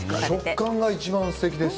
食感がすてきです。